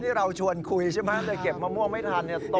เราชวนคุยใช่ไหมแต่เก็บมะม่วงไม่ทันเนี่ย